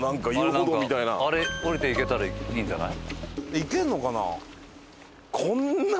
あれ下りていけたらいいんじゃない？